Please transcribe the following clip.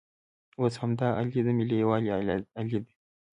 اوس همدا الې د ملي یووالي الې ده.